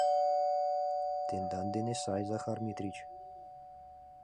— Тендан дене сай, Захар Митрич!